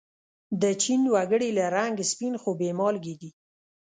د چین و گړي له رنگه سپین خو بې مالگې دي.